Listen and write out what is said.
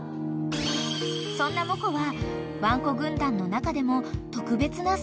［そんなモコは］